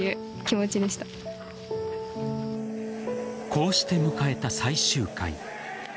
こうして迎えた最終回。